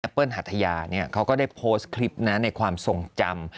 เปิ้ลหัทยาเขาก็ได้โพสต์คลิปในความทรงจำ